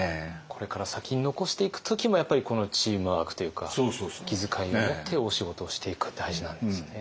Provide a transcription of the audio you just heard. これから先に残していく時もやっぱりこのチームワークというか気づかいを持ってお仕事をしていくって大事なんですね。